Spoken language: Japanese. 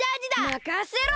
まかせろ！